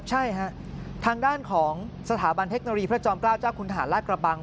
ใช่ฮะทางด้านของสถาบันเทคโนโลยีพระจอมเกล้าเจ้าคุณทหารราชกระบัง